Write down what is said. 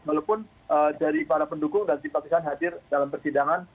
walaupun dari para pendukung dan simpatisan hadir dalam persidangan